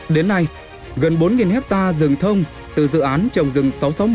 đến nay gần bốn hectare rừng thông từ dự án trồng rừng sáu trăm sáu mươi một